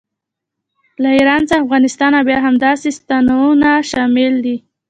له ایران څخه افغانستان او بیا همداسې ستانونه شامل دي.